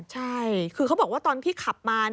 ใช่คือเขาบอกว่าตอนที่ขับมา